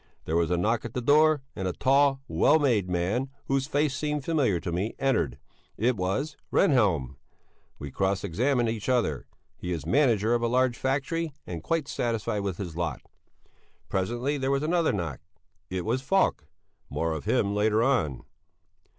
There was a knock at the door, and a tall, well made man, whose face seemed familiar to me, entered it was Rehnhjelm. We cross examined each other. He is manager of a large factory and quite satisfied with his lot. Presently there was another knock. It was Falk. (More of him later on.)